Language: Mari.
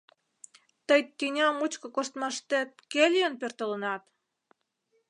Тый тӱня мучко коштмаштет кӧ лийын пӧртылынат?